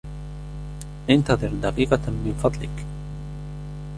إنتظر دقيقة من فضلك!